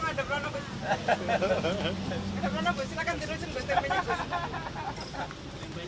iya tempenya yang tadi mau saya mangkokin